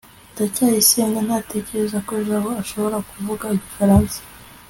ndacyayisenga ntatekereza ko jabo ashobora kuvuga igifaransa